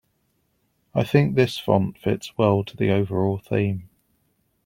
I think this font fits well to the overall theme.